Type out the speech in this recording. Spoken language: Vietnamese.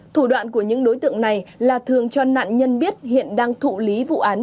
thủ đoạn của những đối tượng này là thường cho nạn nhân biết hiện đang thụ lý vụ án